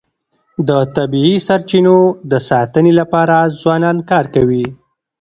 د طبیعي سرچینو د ساتنې لپاره ځوانان کار کوي.